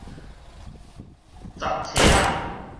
雜差仔